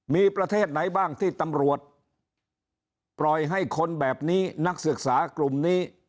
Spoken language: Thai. มีประเทศไหนบ้างที่ตำรวจปล่อยให้คนแบบนี้นักศึกษากลุ่มนี้